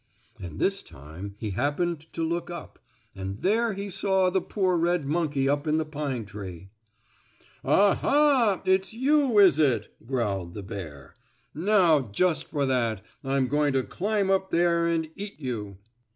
And this time he happened to look up, and there he saw the poor red monkey up in the pine tree. "Ah, ha! It's you, is it?" growled the bear. "Now, just for that I'm going to climb up there and eat you."